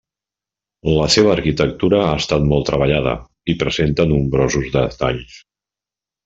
La seva arquitectura ha estat molt treballada, i presenta nombrosos detalls.